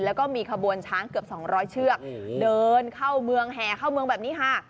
แล้วก็มีขบวนช้างเกือบ๒๐๐เชือกเดินเข้าเมืองแห่เข้าเมืองแบบนี้ค่ะ